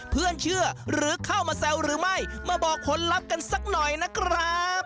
เชื่อหรือเข้ามาแซวหรือไม่มาบอกผลลัพธ์กันสักหน่อยนะครับ